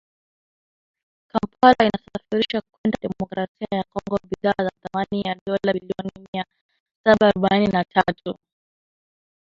Kampala inasafirisha kwenda Demokrasia ya Kongo bidhaa za thamani ya dola milioni mia saba arobaini na tatu